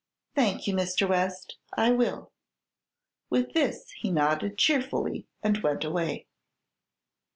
"Thank you, Mr. West. I will." With this he nodded cheerfully and went away.